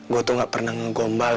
gue tuh gak pernah ngegombal